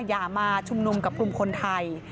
อย่ามาชุมนุมกับกลุ่มคนไทย